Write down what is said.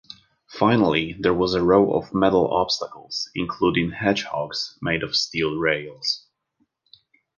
Finally, there was a row of metal obstacles, including 'hedgehogs', made of steel rails.